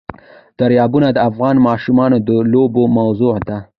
دریابونه د افغان ماشومانو د لوبو موضوع ده.